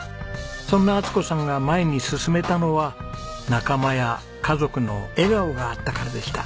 そんな充子さんが前に進めたのは仲間や家族の笑顔があったからでした。